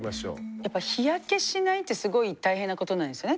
やっぱ日焼けしないってすごい大変なことなんですよね。